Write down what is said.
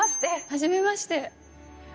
はじめまして。